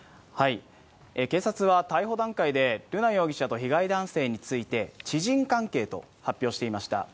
警察は逮捕段階で、瑠奈容疑者と被害男性について、知人関係と発表していました。